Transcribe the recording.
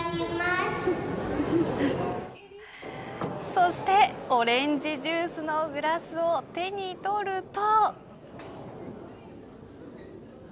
そしてオレンジジュースのグラスを手に取ると。